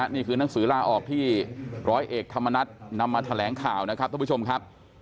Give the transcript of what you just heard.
นี่คือหนังสือลาออกที่ร้อยเอกธรรมนัฐนำมาแถลงข่าวนะครับท่านผู้ชมครับ